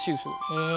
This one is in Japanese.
へえ。